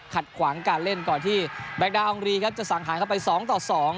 ขัดขวางการเล่นก่อนที่แบล็คดาร์อองรีจะสั่งหาลไป๒ต่อ๒